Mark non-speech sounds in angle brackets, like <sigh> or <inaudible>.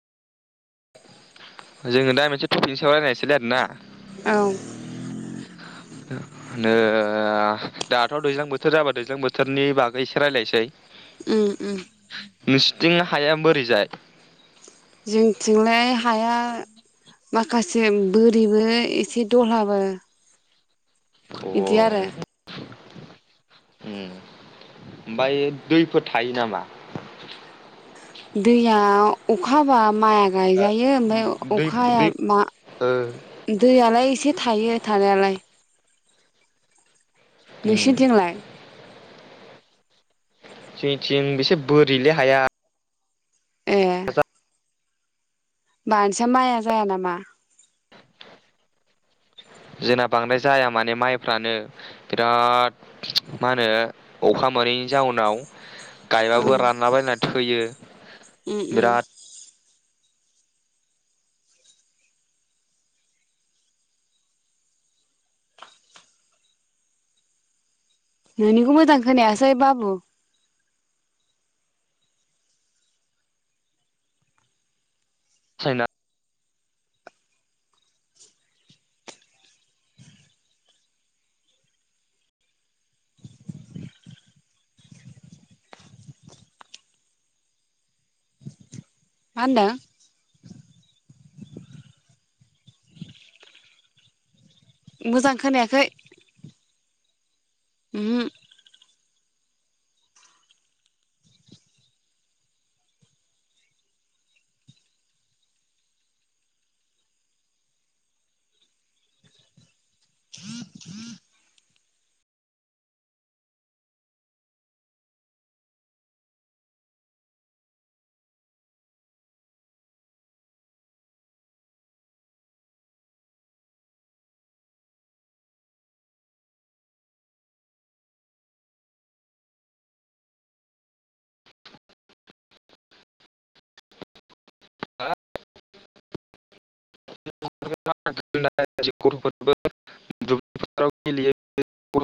जोङो दा मोनसे टपिक सायाव रायनायसैलै आरोना औ नो दाथ' दैज्लां बोथोर जाबा दैज्लां बोथोरनि बागै एसे रायलायनोसै। उम उम नोंसिथिं हाया बोरैजाय? जोंथिंलाय हाया माखासे बोरिबो एसे दहाबो। अ उम उम ओमफाय दैफोर थायो नामा? दैया अखा हाबा माइआ गायजायो ओमफाय दै अखा हाया दै मा दैयालाय एसे थायो थानायालाय नोंसिरनिथिंलाय? जोंनिथिं बेसे बोरिलै हाया। ए बानोसया माइआ जाया नामा? जोंना बांद्राय जाया माने माइफ्रानो बिराद मा होनो अखा मोनैनि जाउनाव। औ गायबाबो रानला बायनाथा होयो। उम उम नोंनिखौ मोजां खोनायासै बाबु साइना मा होनदों? <inaudible> मोजां खोनायाखै उम हो <inaudible> <inaudible> <unintelligible>